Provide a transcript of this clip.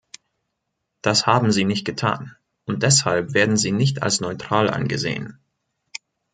Das haben Sie nicht getan, und deshalb werden Sie nicht als neutral angesehen.